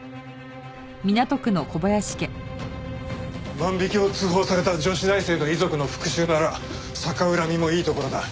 万引きを通報された女子大生の遺族の復讐なら逆恨みもいいところだ。